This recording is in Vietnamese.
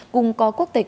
cùng có quốc tịch